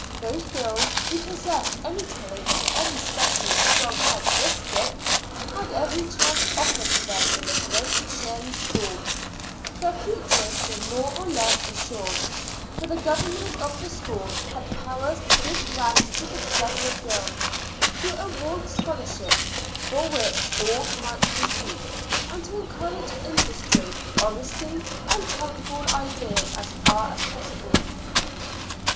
Those girls who possessed any talent or any specially strong characteristic had every chance offered to them in the Great Shirley School; their futures were more or less assured, for the governors of the school had powers to give grants to the clever girls, to award scholarships for which all might compete, and to encourage industry, honesty, and charitable ideas as far as possible.